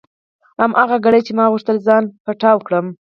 هماغه ګړۍ چې ما غوښتل ځان پټاو کړم.